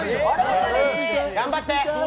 頑張って！